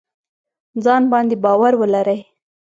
ځان باندې باور ولرئ